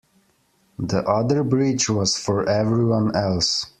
The other bridge was for everyone else.